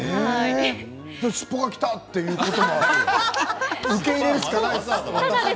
尻尾が来たということも受け入れるしかない。